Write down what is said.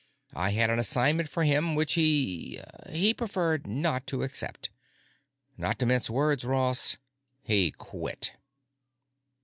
I had an assignment for him which he—he preferred not to accept. Not to mince words, Ross, he quit."